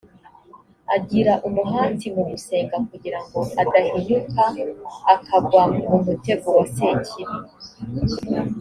agira umuhati mu gusenga kugira ngo adahinyuka akagwa mu mutego wa sekibi